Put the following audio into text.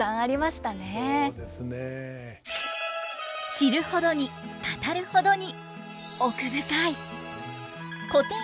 知るほどに語るほどに奥深い。